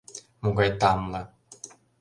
Могай тамле!